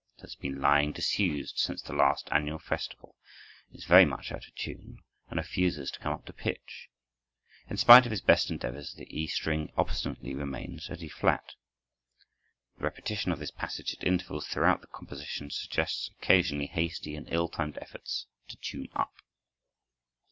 It has been lying disused since the last annual festival, is very much out of tune, and refuses to come up to pitch. In spite of his best endeavors, the E string obstinately remains at E flat. The repetition of this passage at intervals throughout the composition suggests occasional hasty and ill timed efforts to tune up.